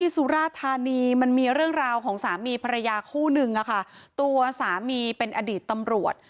สุราธานีมันมีเรื่องราวของสามีภรรยาคู่นึงอะค่ะตัวสามีเป็นอดีตตำรวจ